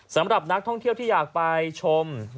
สำหรับนักท่องเที่ยวที่อยากไปชม